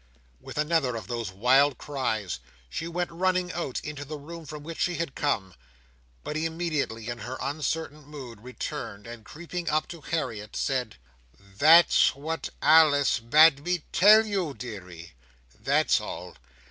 With another of those wild cries, she went running out into the room from which she had come; but immediately, in her uncertain mood, returned, and creeping up to Harriet, said: "That's what Alice bade me tell you, deary. That's all.